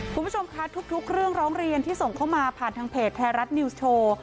คุณผู้ชมคะทุกเรื่องร้องเรียนที่ส่งเข้ามาผ่านทางเพจไทยรัฐนิวส์โชว์